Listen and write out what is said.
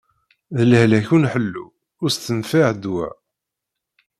D lehlak ur nḥellu, ur s-tenfiɛ ddwa.